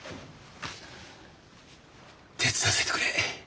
手伝わせてくれ。